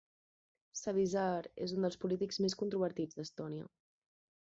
Savisaar és un dels polítics més controvertits d'Estònia.